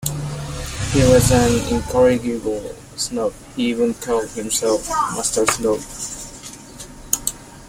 He was an incorrigible snob; he even called himself Master Snob.